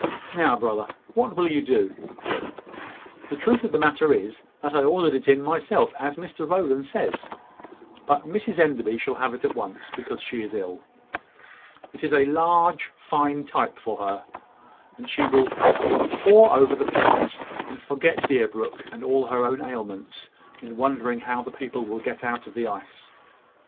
Now, brother, what will you do?" "The truth of the matter is, that I ordered it in myself, as Mr Rowland says. But Mrs Enderby shall have it at once, because she is ill. It is a fine large type for her; and she will pore over the plates, and forget Deerbrook and all her own ailments, in wondering how the people will get out of the ice."